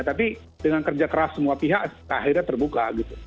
tapi dengan kerja keras semua pihak akhirnya terbuka gitu